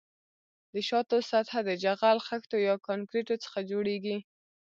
د شانو سطح د جغل، خښتو یا کانکریټو څخه جوړیږي